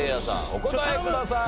お答えください。